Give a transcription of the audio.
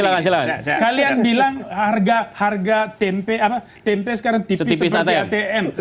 kalian bilang harga harga tempe sekarang tipis seperti atm